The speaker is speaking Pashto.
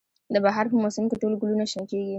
د بهار په موسم کې ټول ګلونه شنه کیږي